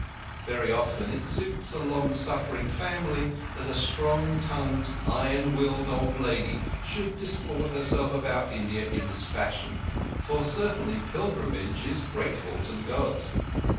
Very often it suits a longsuffering family that a strong tongued, iron willed old lady should disport herself about India in this fashion; for certainly pilgrimage is grateful to the Gods.